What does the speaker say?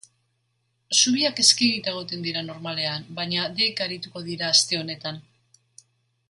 Zubiak eskegita egoten dira normalean baina deika arituko dira aste honetan.